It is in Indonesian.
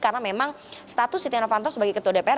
karena memang status setia novanto sebagai ketua dpr